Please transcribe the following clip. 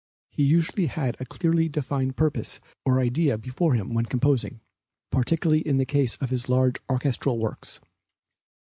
He usually had a clearly defined purpose or idea before him when composing, particularly in the case of his large orchestral works.